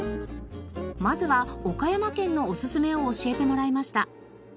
まずは岡山県のおすすめを教えてもらいました。